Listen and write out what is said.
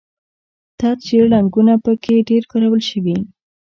تت ژیړ رنګونه په کې ډېر کارول شوي.